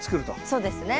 そうですね。